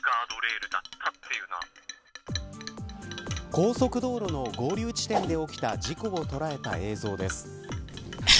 高速道路の合流地点で起きた事故を捉えた映像です。